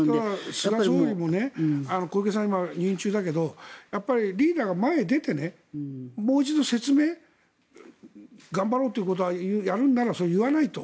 菅総理も小池さんは今、入院中だけどリーダーが前に出てもう一度説明頑張ろうということはやるんだったら言わないと。